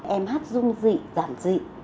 em hát dung dị giảm dị